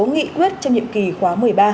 nghị quyết trong nhiệm kỳ khóa một mươi ba